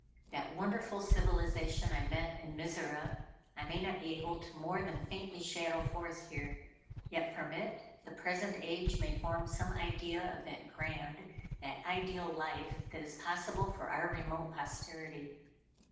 That wonderful civilization I met with in Mizora, I may not be able to more than faintly shadow forth here, yet from it, the present age may form some idea of that grand, that ideal life that is possible for our remote posterity.